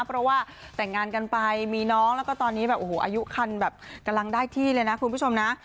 เพราะว่าแต่งงานกันไปมีน้องแล้วก็ตอนนี้แบบโอ้โหอายุคันแบบกำลังได้ที่เลยนะคุณผู้ชมนะ